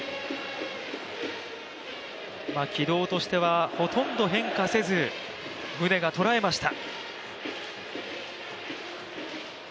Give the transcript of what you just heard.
軌道としてはほとんど変化せず宗がとらえました。